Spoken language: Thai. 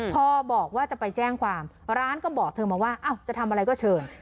พอบอกว่าจะไปแจ้งความร้านก็บอกเธอมาว่าจะทำอะไรก็เชิญ